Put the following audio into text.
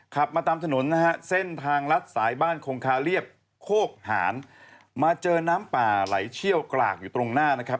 ขับมาตามถนนนะฮะเส้นทางลัดสายบ้านคงคาเรียบโคกหานมาเจอน้ำป่าไหลเชี่ยวกรากอยู่ตรงหน้านะครับ